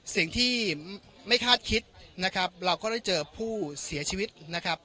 สิ่งที่ไม่คาดคิดนะครับเราก็ได้เจอผู้เสียชีวิตนะครับ